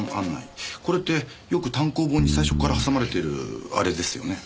これってよく単行本に最初からはさまれてるアレですよね。